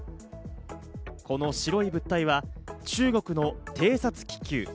この白い物体は中国の偵察気球。